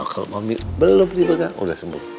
kalau mami belum dibagak udah sembuh